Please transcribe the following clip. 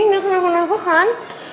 mansi mkewi gak kenapa kenapa kan